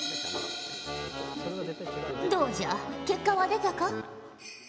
どうじゃ結果は出たか？